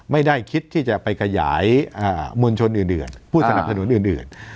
ไม่ได้คิดที่จะไปขยายมวลชนอื่นผู้สนับสนุนอื่น